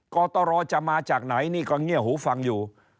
กตรจะมาจากไหนนี่ก็เงียบหูฟังอยู่